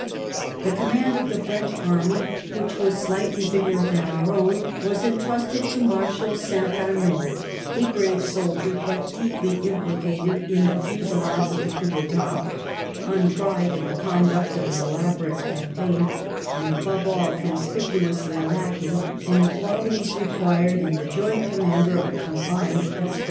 The command of the French Army, which was slightly bigger than our own, was entrusted to Marshal Saint Amaud, a brave soldier, but deeply implicated in the fusillades of the coiiy d'etat , untried in the conduct of an elaborate campaign, and above all conspicu ously lacking in the qualities required in the joint commander of a combined expedition.